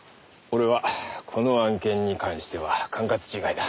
俺はこの案件に関しては管轄違いだ。